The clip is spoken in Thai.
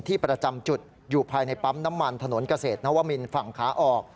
ประจำจุดอยู่ภายในปั๊มน้ำมันถนนเกษตรนวมินฝั่งขาออก